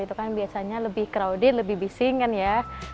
itu kan biasanya lebih crowded lebih bising kan ya